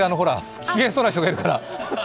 不機嫌そうな人いるから。